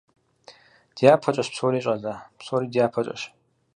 ДяпэкӀэщ псори, щӀалэ. Псори дяпэкӀэщ.